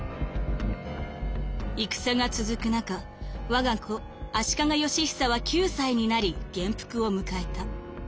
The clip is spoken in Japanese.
「戦が続く中我が子足利義尚は９歳になり元服を迎えた。